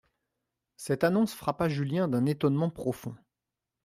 Cette annonce frappa Julien d'un étonnement profond.